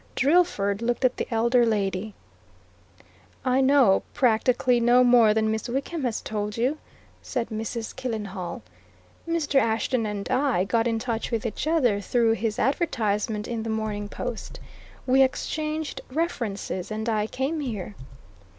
Drillford looked at the elder lady. "I know, practically, no more than Miss Wickham has told you," said Mrs. Killenhall. "Mr. Ashton and I got in touch with each other through his advertisement in the Morning Post. We exchanged references, and I came here."